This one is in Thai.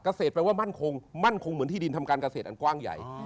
เกษตรแปลว่ามั่นคงมั่นคงเหมือนที่ดินทำการเกษตรอันกว้างใหญ่